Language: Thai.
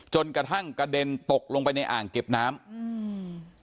จนกระทั่งกระเด็นตกลงไปในอ่างเก็บน้ำอืม